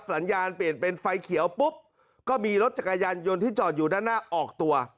สัญญาณเปลี่ยนเป็นไฟเขียวปุ๊บก็มีรถจักรยานยนต์ที่จอดอยู่ด้านหน้าออกตัว